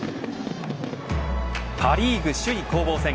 パ・リーグ首位攻防戦。